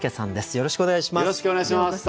よろしくお願いします。